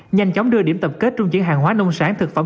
nhanh chóng đưa điểm tập kết trung chuyển hàng hóa nông sản thực phẩm